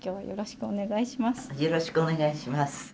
よろしくお願いします。